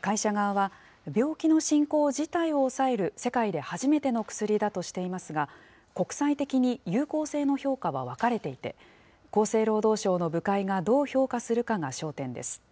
会社側は、病気の進行自体を抑える世界で初めての薬だとしていますが、国際的に有効性の評価は分かれていて、厚生労働省の部会がどう評価するかが焦点です。